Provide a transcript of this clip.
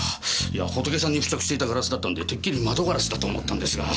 いやホトケさんに付着していたガラスだったんでてっきり窓ガラスだと思ったんですが。